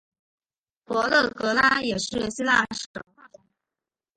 佛勒格拉也是希腊神话中。